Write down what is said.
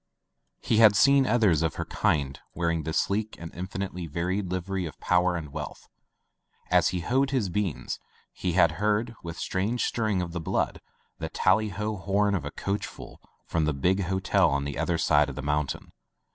He had seen others of her kind wearing the sleek and infinitely varied livery of power and wealth. As he hoed his beans, he had heard, with strange stirring of the blood, the tally ho horn of a coachful from the big hotel on the other side of the mountain.